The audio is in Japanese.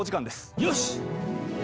よし！